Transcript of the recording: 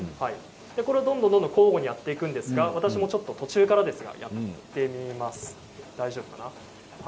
どんどん交互にやっていくんですが私も途中からですがやってみます。